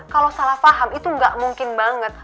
kalo salah faham itu ga mungkin banget